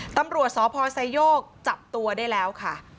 ตำรวจสพไซโยกจับตัวได้แล้วค่ะ